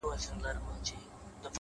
پر ځان کار کول غوره پانګونه ده!